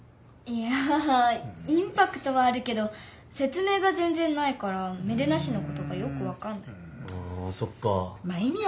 いやインパクトはあるけど説明が全ぜんないから芽出菜市のことがよくわかんない。